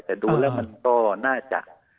แต่ดูแล้วมันก็น่าจะ